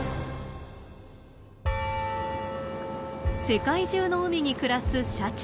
世界中の海に暮らすシャチ。